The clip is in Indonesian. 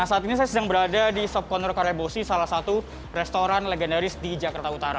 nah saat ini saya sedang berada di sob konur karebosi salah satu restoran legendaris di jakarta utara